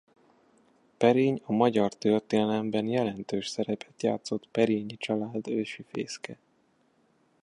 Perény a magyar történelemben jelentős szerepet játszott Perényi család ősi fészke.